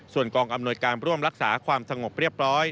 ส่วนกองอำนวยการร่วมรักษาความสงบเรียบร้อย